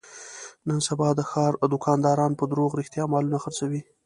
نن سبا د ښاردوکانداران په دروغ رښتیا مالونه خرڅوي.